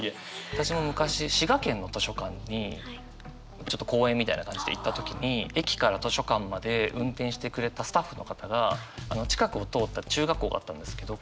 私も昔滋賀県の図書館にちょっと講演みたいな感じで行った時に駅から図書館まで運転してくれたスタッフの方が近くを通った中学校があったんですけど